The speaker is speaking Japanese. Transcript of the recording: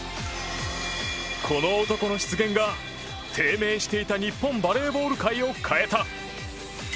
この男の出現が低迷していた日本バレーボール界を変えた。